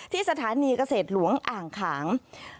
ที่สถานีเกษตรหลวงอ่างขาง